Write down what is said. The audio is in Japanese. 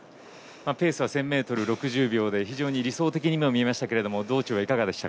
ペースは１０００ｍ６０秒で非常に理想的に見えましたが道中は、どうでした？